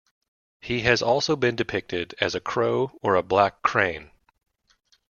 He has also been depicted as a crow or a black crane.